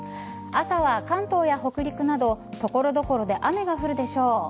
朝は関東や北陸など所々で雨が降るでしょう。